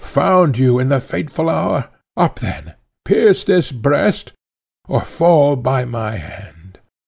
found you in the fateful hour? Up then! pierce this breast, or fall by my hand."